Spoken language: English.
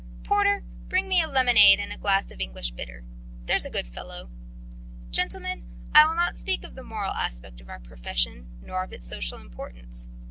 Porter, bring me a lemonade and a glass of English bitter, there's a good fellow. Gentlemen, I will not speak of the moral aspect of our profession nor of its social importance.